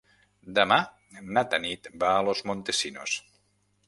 Demà na Tanit va a Los Montesinos.